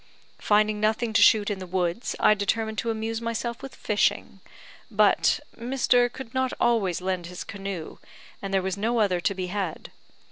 "Finding nothing to shoot in the woods, I determined to amuse myself with fishing; but Mr. could not always lend his canoe, and there was no other to be had.